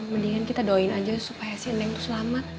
mendingan kita doain aja supaya si neng itu selamat